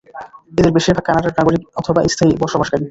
এদের বেশীর ভাগ কানাডার নাগরিক অথবা স্থায়ী বসবাসকারী।